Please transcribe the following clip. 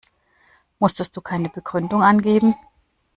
Musstest du keine Begründung angeben?